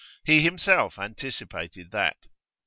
He himself anticipated that.